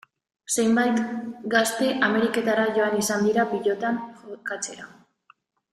Zenbait gazte Ameriketara joan izan dira pilotan jokatzera.